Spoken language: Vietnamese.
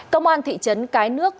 công an thị trấn cái nước